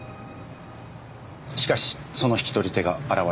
しかしその引き取り手が現れてしまった。